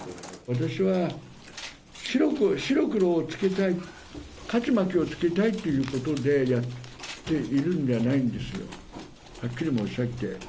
私は、白黒をつけたい、勝ち負けをつけたいということでやっているんじゃないんですよ、はっきり申し上げて。